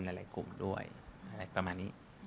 หลายกลุ่มด้วยอะไรประมาณนี้